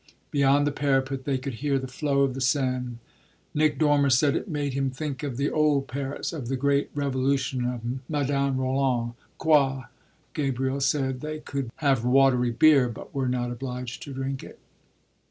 Beyond the parapet they could hear the flow of the Seine. Nick Dormer said it made him think of the old Paris, of the great Revolution, of Madame Roland, quoi! Gabriel said they could have watery beer but were not obliged to drink it.